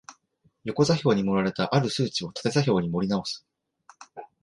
横座標に盛られた或る数値を縦座標に盛り直す